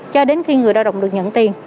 cho đến khi người lao động được nhận tiền